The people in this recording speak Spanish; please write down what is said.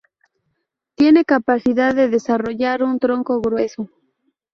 Tiene capacidad de desarrollar un tronco grueso.